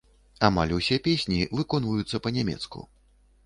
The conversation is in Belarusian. Амаль усе песні выконваюцца па-нямецку.